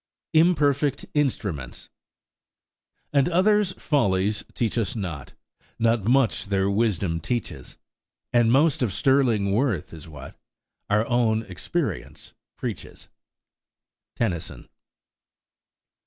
IMPERFECT INSTRUMENTS "And others' follies teach us not, Nor much their wisdom teaches, And most, of sterling worth, is what Our own experience preaches." TENNYSON.